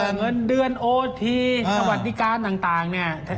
เงินเดือนโอเที๊สต์สวทิการต่าง